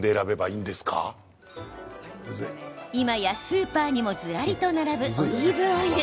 今やスーパーにもずらりと並ぶオリーブオイル。